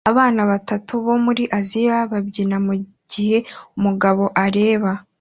Abana batatu bo muri Aziya babyina mugihe umugabo areba